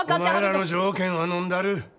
お前らの条件はのんだる。